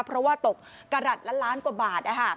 เพราะว่าตกกระหลัดละล้านกว่าบาท